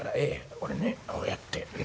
これねこうやって」。